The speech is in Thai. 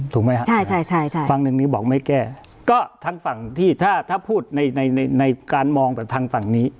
ถูกไหมฮะฝั่งหนึ่งนี้บอกไม่แก้ก็ทางฝั่งที่ถ้าพูดในการมองแบบทางฝั่งนี้